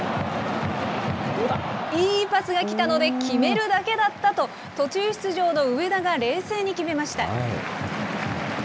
いいパスが来たので、決めるだけだったと途中出場の上田が冷静に決めました。